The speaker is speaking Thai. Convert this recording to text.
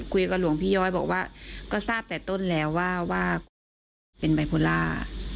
คุยกับหลวงพี่ย้อยบอกว่าก็ทราบแต่ต้นแล้วว่าเป็นไบโพลา